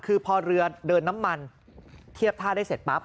คือพอเรือเดินน้ำมันเทียบท่าได้เสร็จปั๊บ